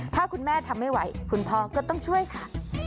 ถ้าคุณแม่ทำไม่ไหวคุณพ่อก็ต้องช่วยค่ะ